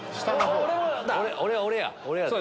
俺や俺や！